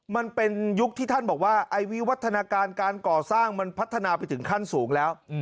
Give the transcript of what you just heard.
มันเป็นยุคที่ท่านบอกว่าไอ้วิวัฒนาการการก่อสร้างมันพัฒนาไปถึงขั้นสูงแล้ว